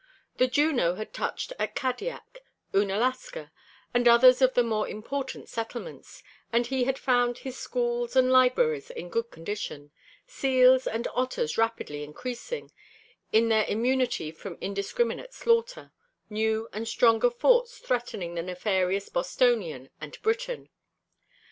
The Juno had touched at Kadiak, Oonalaska, and others of the more important settlements, and he had found his schools and libraries in good condition, seals and otters rapidly increasing, in their immunity from indiscriminate slaughter, new and stronger forts threatening the nefarious Bostonian and Briton.